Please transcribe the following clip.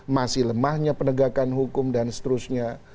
masih lemahnya penegakan hukum dan seterusnya